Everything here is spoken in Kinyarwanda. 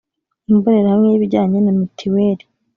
imbonerahamwe y ibijyanye na mitiweri